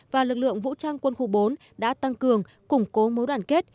và lực lượng vũ trang quân khu bốn đã tăng cường củng cố mối đoàn kết